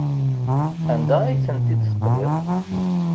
Anda ay tent-id-teqliḍ?